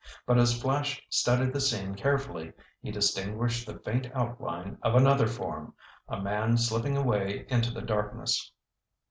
But as Flash studied the scene carefully, he distinguished the faint outline of another form—a man slipping away into the darkness.